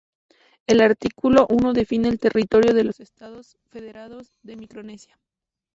El artículo I define el territorio de los Estados Federados de Micronesia.